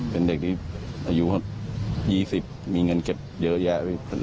เป็นเด็กที่อายุ๒๐มีเงินเก็บเยอะแยะ